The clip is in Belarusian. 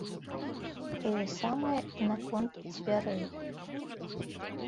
Тое самае і наконт дзвярэй.